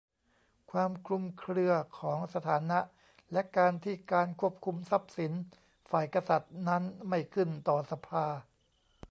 ความคลุมเครือของสถานะ และการที่การควบคุมทรัพย์สินฝ่ายกษัตริย์นั้นไม่ขึ้นต่อสภา